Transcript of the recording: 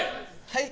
はい！